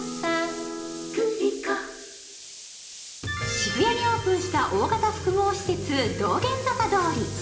渋谷にオープンした大型複合施設・道玄坂通。